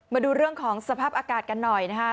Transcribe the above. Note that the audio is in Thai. มาดูเรื่องของสภาพอากาศกันหน่อยนะคะ